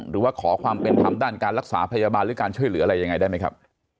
หรือว่าขอความเป็นธรรมด้านการรักษาพยาบาลหรือการช่วยเหลืออะไรยังไงได้ไหมครับ